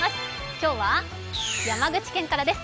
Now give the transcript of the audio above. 今日は山口県からです。